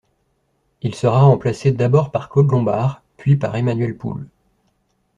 Il sera remplacé d'abord par Claude Lombard, puis par Emmanuel Poulle.